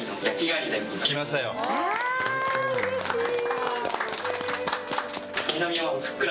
うれしい！